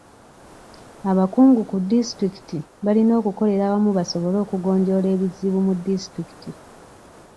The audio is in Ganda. Abakungu ku disitulikiti balina okukolera awamu basobole okugonjoola ebizibu mu disitulikiti.